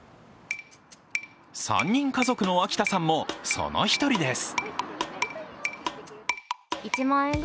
３人家族の秋田さんも、その１人です